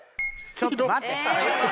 ちょっと待て。